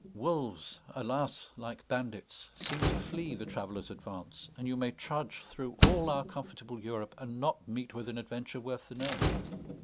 Wolves, alas! like bandits, seem to flee the traveler's advance, and you may trudge through all our comfortable Europe and not meet with an adventure worth the name.